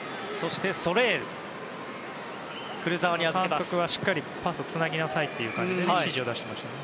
監督はしっかりパスをつなぎなさいと指示を出していましたね。